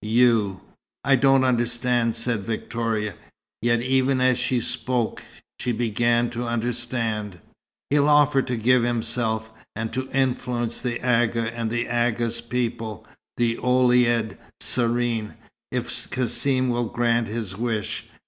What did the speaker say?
You." "I don't understand," said Victoria. Yet even as she spoke, she began to understand. "He'll offer to give himself, and to influence the Agha and the Agha's people the Ouled Sirren if Cassim will grant his wish.